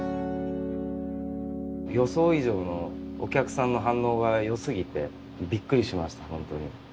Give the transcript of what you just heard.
予想以上のお客さんの反応が良すぎてビックリしました本当に。